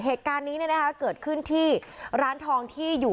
เหตุการณ์นี้เกิดขึ้นที่ร้านทองที่อยู่